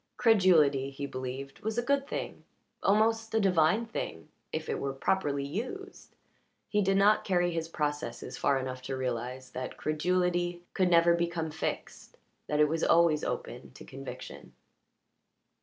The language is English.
Credulity, he believed, was a good thing, almost a divine thing, if it were properly used; he did not carry his processes far enough to realize that credulity could never become fixed that it was always open to conviction.